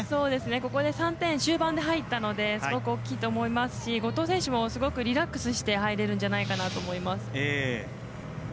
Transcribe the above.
ここで３点終盤で入ったのですごく大きいと思いますし後藤選手も、すごくリラックスして入れるんじゃないかなと思います。